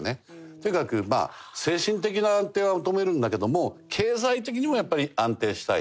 とにかくまあ精神的な安定は求めるんだけども経済的にもやっぱり安定したいと。